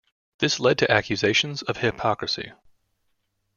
This led to accusations of hypocrisy.